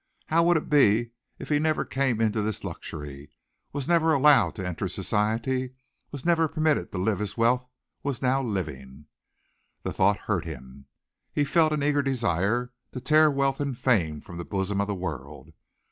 How would it be if he never came into this luxury, was never allowed to enter society, was never permitted to live as wealth was now living! The thought hurt him. He felt an eager desire to tear wealth and fame from the bosom of the world.